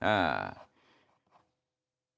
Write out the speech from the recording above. เออ